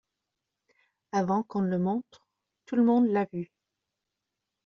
Avant qu’on le montre, tout le monde l’a vu.